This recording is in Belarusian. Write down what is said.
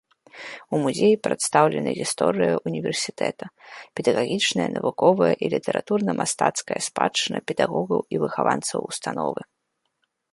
У музеі прадстаўлена гісторыя ўніверсітэта, педагагічная, навуковая і літаратурна-мастацкая спадчына педагогаў і выхаванцаў установы.